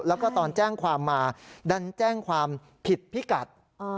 แล้วก็ตอนแจ้งความมาดันแจ้งความผิดพิกัด